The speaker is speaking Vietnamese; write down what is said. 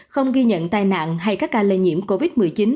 không ghi nhận tai nạn hay các ca lây nhiễm covid một mươi chín